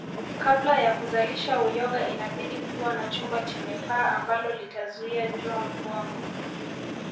Kabla ya kuzalisha uyoga inabidi kuwa na chumba chenye paa ambalo litazuia jua mvua